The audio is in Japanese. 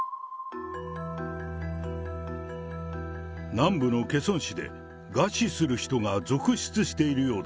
南部のケソン市で餓死する人が続出しているようだ。